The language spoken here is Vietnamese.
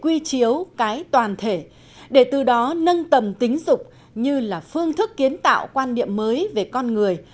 quy chiếu cái toàn thể để từ đó nâng tầm tính dục như là phương thức kiến tạo quan điểm mới về con người